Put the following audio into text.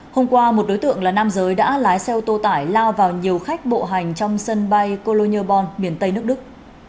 hôm qua một đối tượng là nam giới đã lái xe ô tô tải lao vào nhiều khách bộ hành trong sân bay colonibon miền tây nước đức